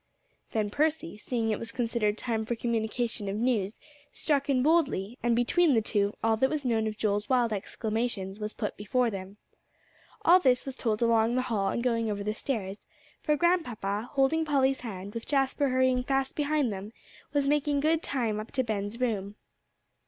Then Percy, seeing it was considered time for communication of news, struck in boldly; and between the two, all that was known of Joel's wild exclamations was put before them. All this was told along the hall and going over the stairs; for Grandpapa, holding Polly's hand, with Jasper hurrying fast behind them, was making good time up to Ben's room.